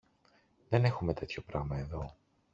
Δεν έχουμε τέτοιο πράμα εδώ.